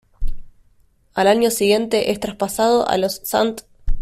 Al año siguiente es traspasado a los St.